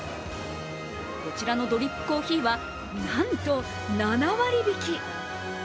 こちらのドリップコーヒーはなんと７割引き。